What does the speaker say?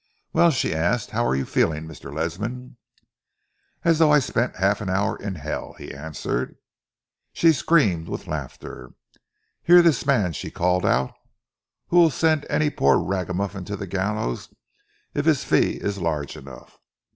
"Well," she asked, "how are you feeling, Mr. Ledsam?" "As though I had spent half an hour in Hell," he answered. She screamed with laughter. "Hear this man," she called out, "who will send any poor ragamuffin to the gallows if his fee is large enough!